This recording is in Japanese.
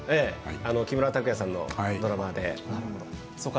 木村拓哉さんのドラマで。